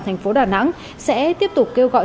thành phố đà nẵng sẽ tiếp tục kêu gọi